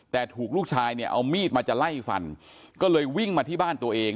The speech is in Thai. แต่ถูกลูกชายเนี่ยเอามีดมาจะไล่ฟันก็เลยวิ่งมาที่บ้านตัวเอง